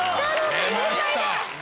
出ました